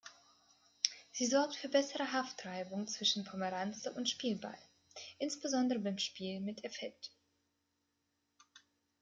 Sie sorgt für bessere Haftreibung zwischen Pomeranze und Spielball, insbesondere beim Spiel mit Effet.